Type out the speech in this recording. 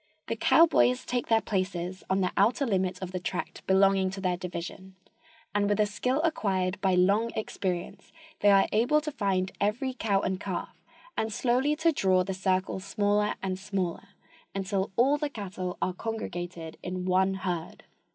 The cowboys take their places on the outer limit of the tract belonging to their division, and with a skill acquired by long experience they are able to find every cow and calf and slowly to draw the circle smaller and smaller, until all the cattle are congregated in one herd.